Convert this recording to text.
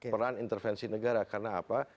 peran intervensi negara karena apa